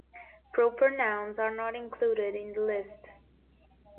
Proper nouns are not included in the list.